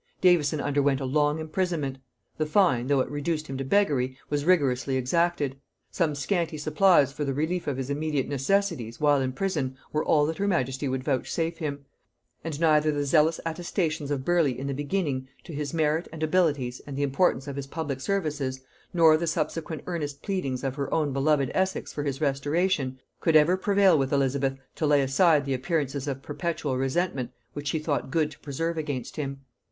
Davison underwent a long imprisonment; the fine, though it reduced him to beggary, was rigorously exacted; some scanty supplies for the relief of his immediate necessities, while in prison, were all that her majesty would vouchsafe him; and neither the zealous attestations of Burleigh in the beginning to his merit and abilities and the importance of his public services, nor the subsequent earnest pleadings of her own beloved Essex for his restoration, could ever prevail with Elizabeth to lay aside the appearances of perpetual resentment which she thought good to preserve against him.